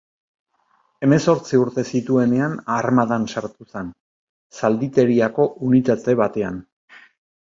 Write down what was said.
Hemezortzi urte zituenean armadan sartu zen, zalditeriako unitate batean.